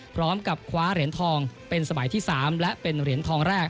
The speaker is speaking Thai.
พร้อมกับคว้าเหรียญทองเป็นสมัยที่๓และเป็นเหรียญทองแรก